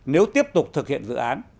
nếu tiếp tục thực hiện dự án